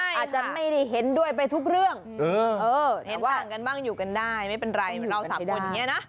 อาจจะไม่ได้เห็นด้วยไปทุกเรื่องเห็นต่างกันบ้างอยู่กันได้ไม่เป็นไรเราสามคนอย่างนี้นะ